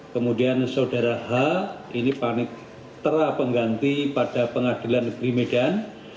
kemudian saudara h ini panik tera pengganti pada pengadilan negeri medan